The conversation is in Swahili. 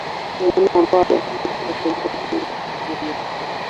Wanyama ambao hawajaathirika wapo hatarini kupata ugonjwa wa kutupa mimba